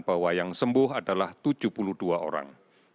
bahwa yang sembuh adalah tujuh puluh dua orang